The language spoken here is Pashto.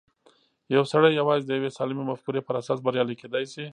يو سړی يوازې د يوې سالمې مفکورې پر اساس بريالی کېدای شي.